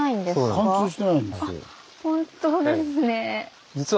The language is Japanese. あっ本当ですね。